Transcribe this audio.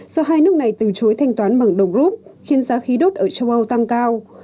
do hai nước này từ chối thanh toán bằng đồng rút khiến giá khí đốt ở châu âu tăng cao